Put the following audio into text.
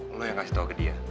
gue kasih tau ke dia